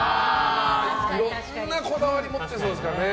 いろんなこだわり持ってそうですからね。